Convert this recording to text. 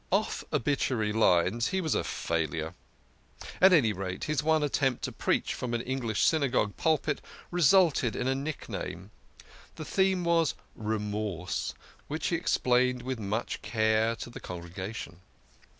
Off obituary lines he was a failure ; at any rate, his one attempt to preach from an English Synagogue pulpit resulted in a nickname. His theme was Remorse, which he ex plained with much care to the congregation.